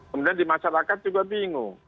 kemudian di masyarakat juga bingung